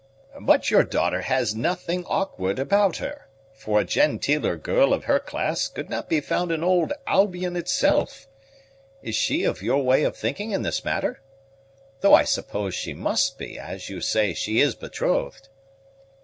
"But your daughter has nothing awkward about her: for a genteeler girl of her class could not be found in old Albion itself. Is she of your way of thinking in this matter? though I suppose she must be, as you say she is betrothed."